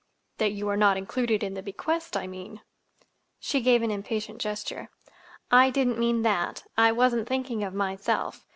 "That you are not included in the bequest, I mean." She gave an impatient gesture. "I didn't mean that. I wasn't thinking of myself.